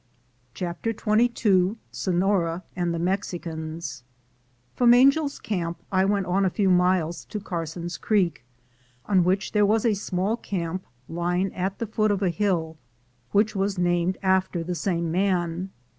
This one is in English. CHAPTER XXII SONORA AND THE MEXICANS FROM Angel's Camp I went on a few miles to Carson's Creek, on which there was a small camp, lying at the foot of a hill, which was named after the same man.